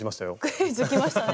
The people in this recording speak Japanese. クイズきましたね。